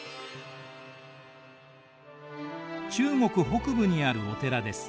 中国北部にあるお寺です。